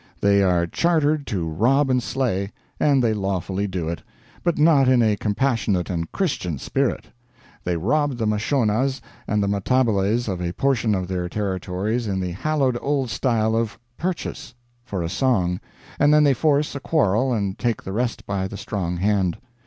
They are chartered to rob and slay, and they lawfully do it, but not in a compassionate and Christian spirit. They rob the Mashonas and the Matabeles of a portion of their territories in the hallowed old style of "purchase!" for a song, and then they force a quarrel and take the rest by the strong hand.